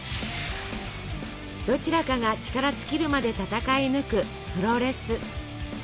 どちらかが力尽きるまで戦い抜くプロレス。